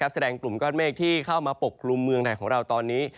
แสดงกลุ่มก้อนเมฆที่เข้ามาปกกลุ่มเมืองไทยของเราตอนนี้